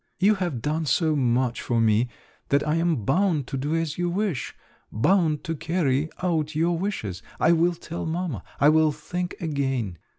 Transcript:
"You have done so much for me, that I am bound to do as you wish; bound to carry out your wishes. I will tell mamma … I will think again.